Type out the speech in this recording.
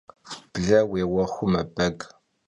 Bler vuêuexu mebeg.